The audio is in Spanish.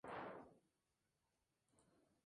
Todas ellas presentan inconvenientes y ofrecen ventajas.